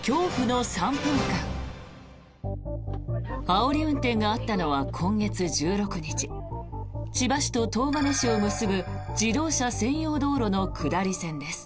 あおり運転があったのは今月１６日千葉市と東金市を結ぶ自動車専用道路の下り線です。